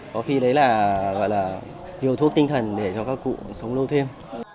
có khi đấy là nhiều thuốc tinh thần để cho các cụ sống lâu thêm